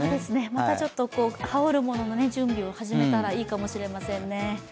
またちょっと羽織るものの準備を始めたらいいかもしれませんね。